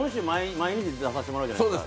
毎週出させてもらってるじゃないですか。